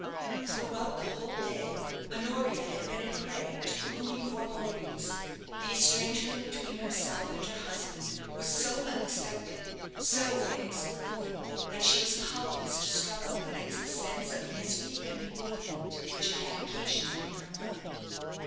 Throughout the whole day Honoria had been a prey to gloomy forebodings. The estrangement between herself and her husband was so unexpected, so inexplicable, that she was powerless to struggle against the sense of misery and bewilderment which it had occasioned in her mind.